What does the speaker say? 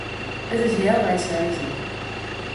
It is healwei seizen.